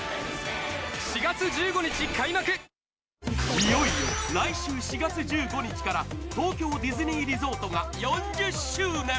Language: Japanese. いよいよ来週４月１５日から東京ディズニーリゾートが４０周年。